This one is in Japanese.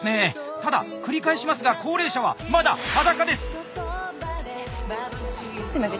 ただ繰り返しますが高齢者はまだ裸です！